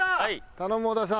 頼む小田さん。